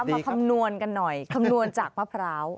มาคำนวณกันหน่อยคำนวณจากมะพร้าว